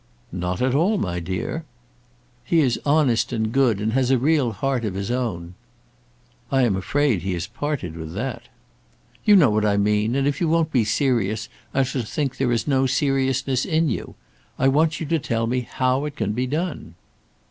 "Not at all, my dear." "He is honest and good, and has a real heart of his own." "I am afraid he has parted with that." "You know what I mean, and if you won't be serious I shall think there is no seriousness in you. I want you to tell me how it can be done."